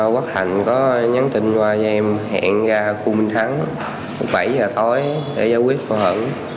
quốc hành có nhắn tin qua cho em hẹn ra khu minh thắng bảy h tối để giải quyết mâu thuẫn